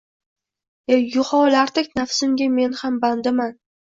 Yuholardek nafsimga men ham bandiman.